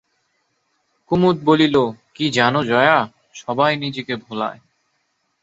কুমুদ বলিল, কী জানো জয়া, সবাই নিজেকে ভোলায়।